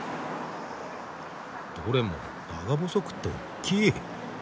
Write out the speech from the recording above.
どれも長細くっておっきい。